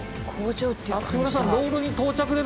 木村さん。